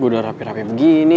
gue udah rapih rapih begini